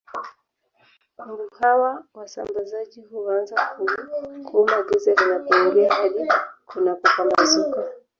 Mbu hawa wasambazaji huanza kuuma giza linapoingia hadi kunapopambazuka